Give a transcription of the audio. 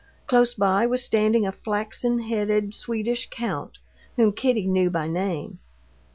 Close by was standing a flaxen headed Swedish count, whom Kitty knew by name.